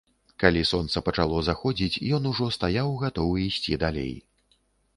Калі сонца пачало заходзіць, ён ужо стаяў гатовы ісці далей.